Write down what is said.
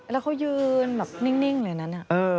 แล้วเขายืนแบบนิ่งเลยนั้น